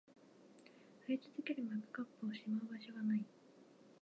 増え続けるマグカップをしまう場所が無い